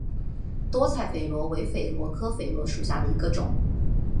多彩榧螺为榧螺科榧螺属下的一个种。